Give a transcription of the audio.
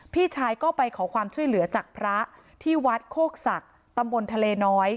พี่ชายก็ไปขอความช่วยเหลือจากพระที่วัดโคกศักดิ์ตำบลทะเลน้อย